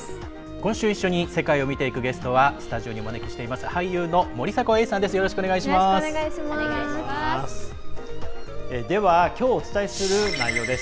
今週一緒に世界を見ていくゲストはスタジオにお招きしています。